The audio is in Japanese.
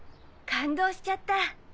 感動しちゃった。